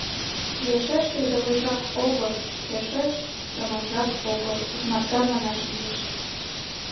Йӧршеш передовойжак огыл, йӧршеш томамжак огыл, икмарда манаш лиеш.